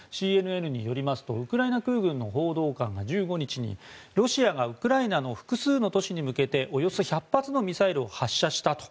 ＣＮＮによりますとウクライナ空軍の報道官が１５日にロシアがウクライナの複数の都市に向けておよそ１００発のミサイルを発射したと。